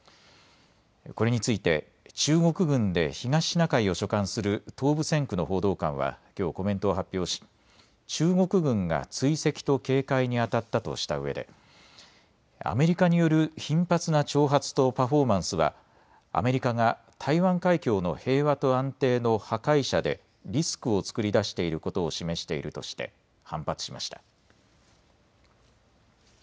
これについて中国軍で東シナ海を所管する東部戦区の報道官はきょうコメントを発表し中国軍が追跡と警戒にあたったとしたうえでアメリカによる頻繁な挑発とパフォーマンスはアメリカが台湾海峡の平和と安定の破壊者でリスクを作り出していることを示しているとして反発しました。